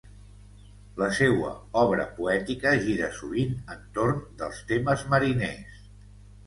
La seua obra poètica gira sovint entorn dels temes mariners.